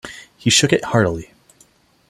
She shook it heartily.